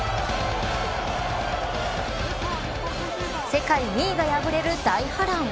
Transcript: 世界２位が敗れる大波乱。